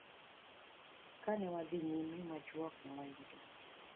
Ka ne wadhi nyime machuok, ne wayudo